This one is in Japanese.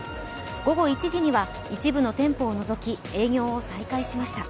午後１時には一部の店舗を除き営業を再開しました。